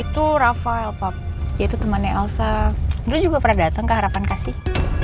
itu rafael papa yaitu temannya elsa dulu juga pernah datang ke harapan kasih